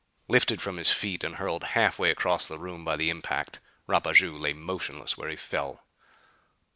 Lifted from his feet and hurled half way across the room by the impact, Rapaju lay motionless where he fell.